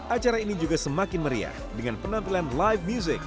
acara ini juga semakin meriah dengan penampilan live music